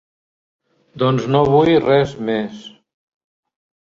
Doncs no vull res més.